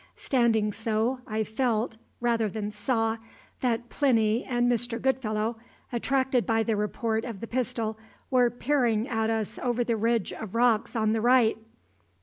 Standing so, I felt, rather than saw, that Plinny and Mr. Goodfellow, attracted by the report of the pistol, were peering at us over the ridge of rocks on the right.